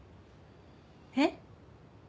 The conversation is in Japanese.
えっ？